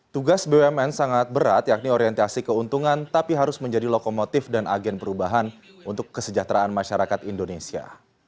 tugas bumn sangat berat yakni orientasi keuntungan tapi harus menjadi lokomotif dan agen perubahan untuk kesejahteraan masyarakat indonesia